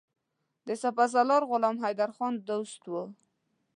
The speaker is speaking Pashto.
د سپه سالار غلام حیدرخان دوست وو.